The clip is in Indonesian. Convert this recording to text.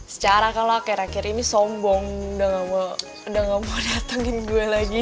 secara kalau akhir akhir ini sombong udah gak mau datangin gue lagi